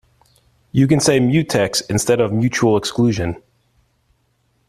You can say mutex instead of mutual exclusion.